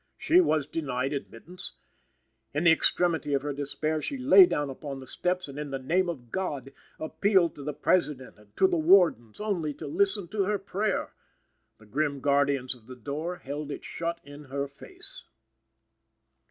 She was denied admittance. In the extremity of her despair she lay down upon the steps, and, in the name of God, appealed to the President and to the wardens, only to listen to her prayer. The grim guardians of the door held it shut in her face.